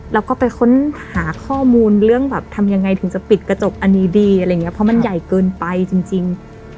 แล้วก็ไปค้นหาข้อมูลเรื่องแบบทำยังไงถึงจะปิดกระจกอันนี้ดีอะไรอย่างเงี้เพราะมันใหญ่เกินไปจริง